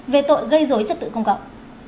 về tội gây dối chất tự công cộng